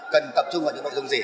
cần tập trung vào những nội dung gì